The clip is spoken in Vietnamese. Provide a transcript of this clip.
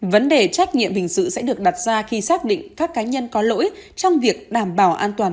vấn đề trách nhiệm hình sự sẽ được đặt ra khi xác định các cá nhân có lỗi trong việc đảm bảo an toàn